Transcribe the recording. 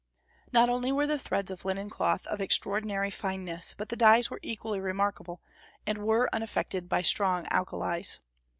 Not only were the threads of linen cloth of extraordinary fineness, but the dyes were equally remarkable, and were unaffected by strong alkalies.